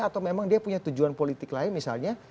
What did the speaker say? atau memang dia punya tujuan politik lain misalnya